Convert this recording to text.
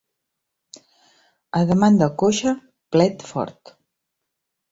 A demanda coixa, plet fort.